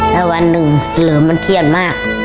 แล้ววันนึงเหลือมันเครียดมาก